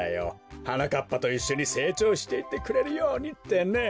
はなかっぱといっしょにせいちょうしていってくれるようにってね。